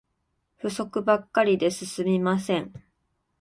不足ばっかりで進みません